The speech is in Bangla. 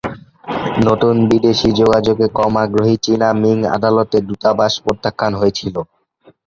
নতুন বিদেশী যোগাযোগে কম আগ্রহী চীনা মিং আদালতে দূতাবাস প্রত্যাখ্যাত হয়েছিল।